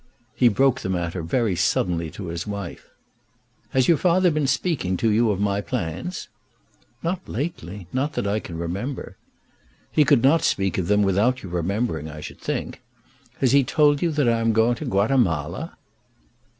He broke the matter very suddenly to his wife. "Has your father been speaking to you of my plans?" "Not lately; not that I remember." "He could not speak of them without your remembering, I should think. Has he told you that I am going to Guatemala?"